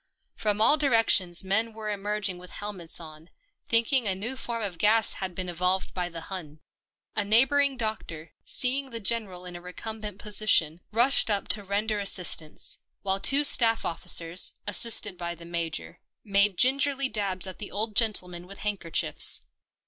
From all directions men were emerging with helmets on, thinking a new form of gas had been evolved by the Hun. A neighbour ing doctor, seeing the General in a recumbent position, rushed up to render assistance, while two staff officers, assisted by the Major, made gingerly dabs at the old gentleman with handkerchiefs.